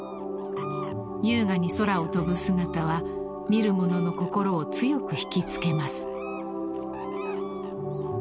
［優雅に空を飛ぶ姿は見る者の心を強く引き付けます］